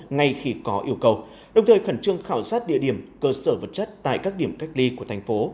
ngay khi có yêu cầu đồng thời khẩn trương khảo sát địa điểm cơ sở vật chất tại các điểm cách ly của thành phố